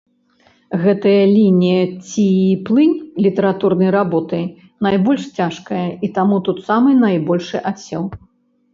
Гэтая лінія ці плынь літаратурнай работы найбольш цяжкая, і таму тут самы найбольшы адсеў.